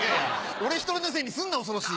俺１人のせいにすんな恐ろしい。